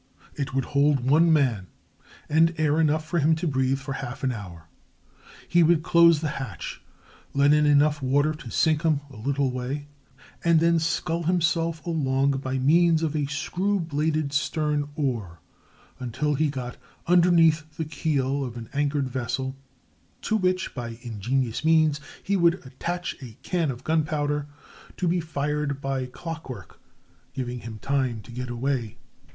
It would hold one man, and air enough for him to breathe for half an hour. He would close the hatch, let in enough water to sink him a little way, and then scull himself along by means of a screw bladed stern oar until he got underneath the keel of an anchored vessel, to which, by ingenious means, he would attach a can of gunpowder to be fired by clockwork, giving him time to get away.